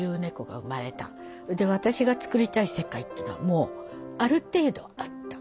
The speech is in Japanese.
で私がつくりたい世界っていうのはもうある程度あった。